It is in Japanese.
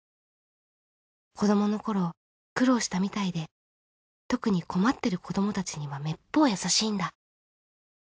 子どもの頃苦労したみたいで特に困ってる子どもたちにはめっぽう優しいんだ。